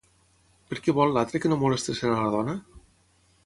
Per què vol l'altre que no molestessin a la dona?